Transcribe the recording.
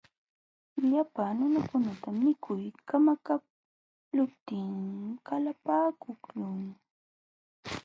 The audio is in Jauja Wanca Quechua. Llapa nunakunatam mikuy kamakaqluptin qalapaakuqlun.